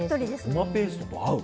ゴマペーストと合う。